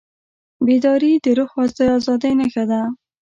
بیداري د روح د ازادۍ نښه ده.